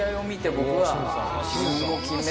僕は。